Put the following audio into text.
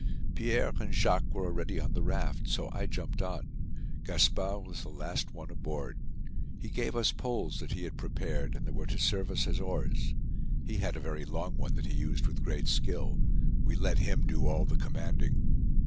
Pierre and Jacques were already on the raft, so I jumped on. Gaspard was the last one aboard. He gave us poles that he had prepared and that were to serve us as oars. He had a very long one that he used with great skill. We let him do all the commanding.